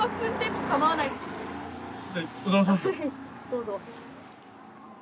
どうぞ。